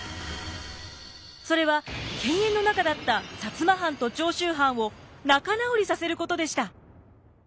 それは犬猿の仲だった摩藩と長州藩を仲直りさせることでした。